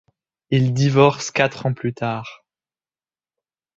Ils divorcent quatre ans plus tard.